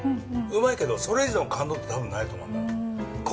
うまいけどそれ以上の感動って多分ないと思うんだ。